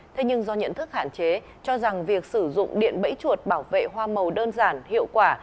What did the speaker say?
thế nhưng do nhận thức hạn chế cho rằng việc sử dụng điện bẫy chuột bảo vệ hoa màu đơn giản hiệu quả